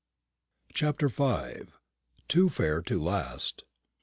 CHAPTER V. TOO FAIR TO LAST.